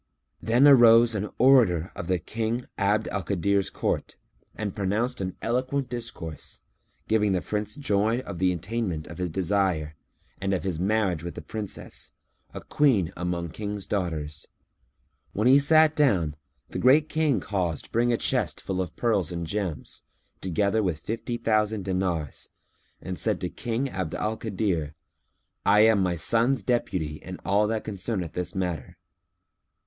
Then arose an orator of the King Abd al Kadir's court and pronounced an eloquent discourse, giving the Prince joy of the attainment of his desire and of his marriage with the Princess, a Queen among King's daughters. When he sat down the Great King caused bring a chest full of pearls and gems, together with fifty thousand dinars, and said to King Abd al Kadir, "I am my son's deputy in all that concerneth this matter."